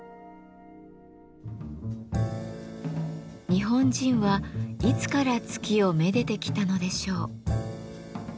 日本人はいつから月をめでてきたのでしょう。